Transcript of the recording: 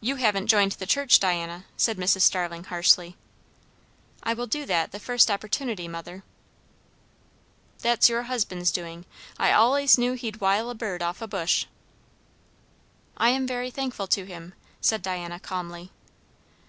"You haven't joined the church, Diana," said Mrs. Starling harshly. "I will do that the first opportunity, mother." "That's your husband's doing. I allays knew he'd wile a bird off a bush!" "I am very thankful to him," said Diana calmly.